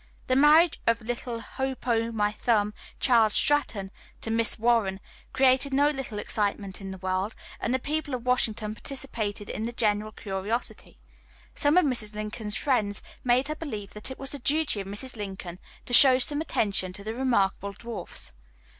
The marriage of little Hopo' my thumb Charles Stratton to Miss Warren created no little excitement in the world, and the people of Washington participated in the general curiosity. Some of Mrs. Lincoln's friends made her believe that it was the duty of Mrs. Lincoln to show some attention to the remarkable dwarfs.